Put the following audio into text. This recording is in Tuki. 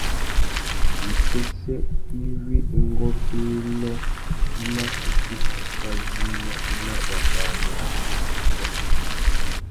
Wipêssê iwí ngôbēnô i mà kutu zu fá winô nà wabari abú wuffuá.